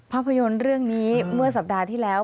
ภาพยนตร์เรื่องนี้เมื่อสัปดาห์ที่แล้ว